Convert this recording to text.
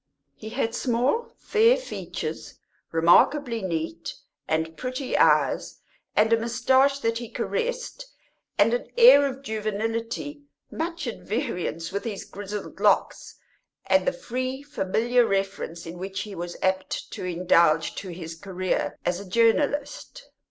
He had small, fair features, remarkably neat, and pretty eyes, and a moustache that he caressed, and an air of juvenility much at variance with his grizzled locks, and the free familiar reference in which he was apt to indulge to his career as a journalist.